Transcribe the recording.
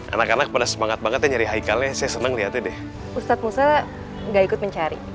anak anak pada semangat banget nyari haikal nya saya seneng lihat deh ustadz musa enggak ikut mencari